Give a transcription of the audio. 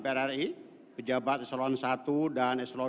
ketua komisi delapan dpr ri kejabat eslon satu dan eslon dua